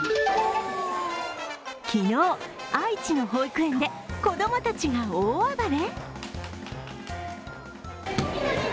昨日、愛知の保育園で子供たちが大暴れ？